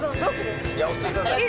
押してください。